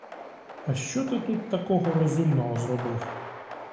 А що ти тут такого розумного зробив?